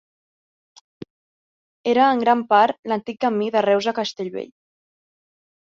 Era, en gran part, l'antic camí de Reus a Castellvell.